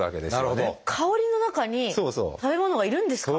香りの中に食べ物がいるんですか？